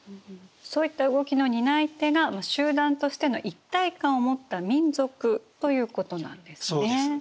そういった動きの担い手が集団としての一体感を持った民族ということなんですね。